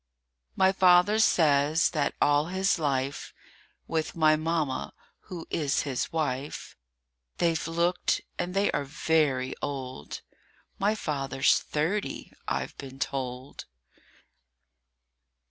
MY Father says that all his life With my Mamma (who is his wife) They've looked; and they are very old. My father's thirty, I've been told!